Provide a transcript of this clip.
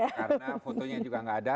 karena fotonya juga nggak ada